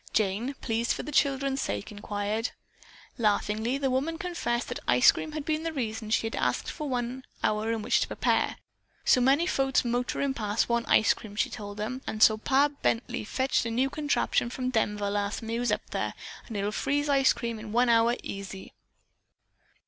Jane, pleased for the children's sake, inquired. Laughingly the woman confessed that the ice cream had been the reason she had asked for one hour in which to prepare. "So many folks motorin' past want ice cream," she told them, "and so Pa Bently fetched a new contraption from Denver last time he was up there, an' it'll freeze ice cream in one hour easy."